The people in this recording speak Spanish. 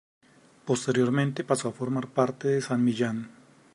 Posteriormente pasó a formar parte de San Millán.